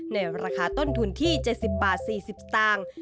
ในราคาต้นทุนที่๗๐บาท๔๐สตางค์